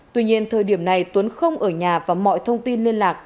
tuy nhiên thời điểm này tuấn không ở nhà và mọi thông tin liên lạc